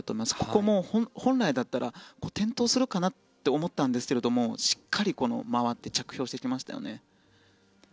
ここも本来だったら転倒するかなと思ったんですがしっかり回って着氷してきましたよね。